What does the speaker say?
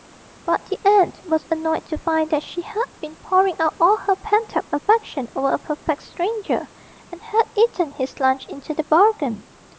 But the aunt was annoyed to find that she had been pouring out all her pent up affection over a perfect stranger, and had eaten his lunch into the bargain.